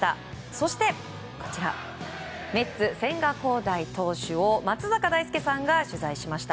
そしてメッツ、千賀滉大投手を松坂大輔さんが取材しました。